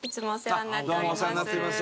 どうもお世話になっております。